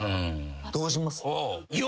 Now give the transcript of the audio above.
どうします？